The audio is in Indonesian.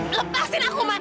lepaskan aku man